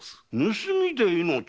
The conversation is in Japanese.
盗みで命を？